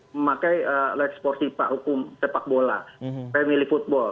memakai leksportifipa hukum sepak bola family football